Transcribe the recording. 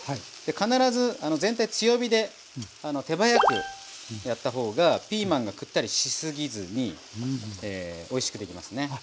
必ず全体強火で手早くやったほうがピーマンがくったりしすぎずにおいしくできますね。